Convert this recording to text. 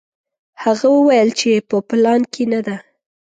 هغه وویل چې په پلان کې نه ده.